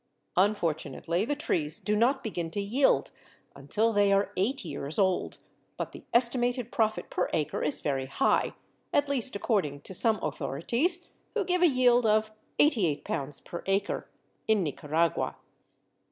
Unfortunately the trees do not begin to yield until they are eight years old, but the estimated profit per acre is very high, at least according to some authorities, who give a yield of £88 per acre (in Nicaragua).